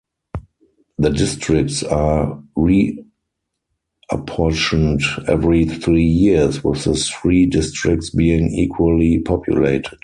The districts are reapportioned every three years, with the three districts being equally populated.